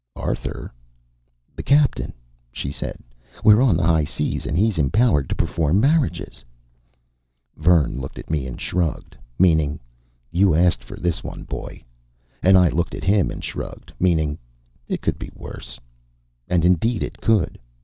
"Arthur?" "The captain," she said. "We're on the high seas and he's empowered to perform marriages." Vern looked at me and shrugged, meaning, you asked for this one, boy. And I looked at him and shrugged, meaning, it could be worse. And indeed it could.